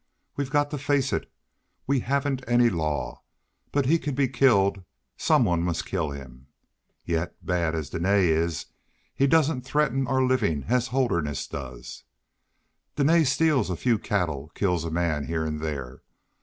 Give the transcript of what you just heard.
We've got to face it. We haven't any law, but he can be killed. Some one must kill him. Yet bad as Dene is, he doesn't threaten our living as Holderness does. Dene steals a few cattle, kills a man here and there.